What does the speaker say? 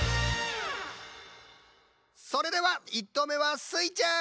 それでは１とうめはスイちゃん！